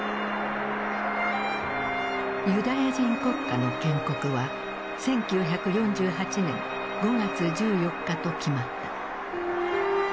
ユダヤ人国家の建国は１９４８年５月１４日と決まった。